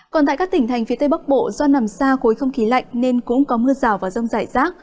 còn tại các tỉnh thành phía tây bắc bộ do nằm xa khối không khí lạnh nên cũng có mưa rào và rông rải rác